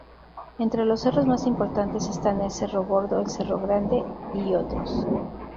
Entre los cerros más importantes están el Cerro Gordo, el Cerro Grande, y otros.